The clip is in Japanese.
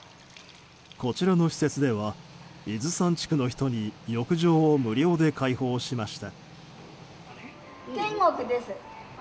こちらの施設では伊豆山地区の人に浴場を無料で開放しました。